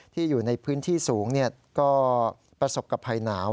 อยู่ในพื้นที่สูงก็ประสบกับภัยหนาว